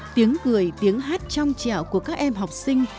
tiếng cười tiếng hát trong chẻo của các em học sinh